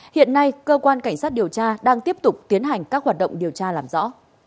hiện nay cơ quan cảnh sát điều tra đang tiếp tục tiến hành các hoạt động điều tra làm rõ